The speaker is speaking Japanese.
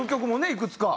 いくつか。